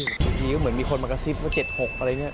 อย่างนี้ก็เหมือนมีคนมากระซิบว่า๗๖อะไรอย่างนี้